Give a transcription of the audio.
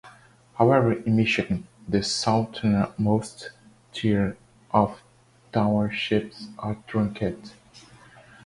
However in Michigan, the southernmost tier of townships are truncated.